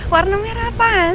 warna merah apaan